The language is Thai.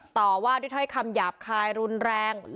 ต่อว่าด้วยถ้อยคำหยาบคายรุนแรง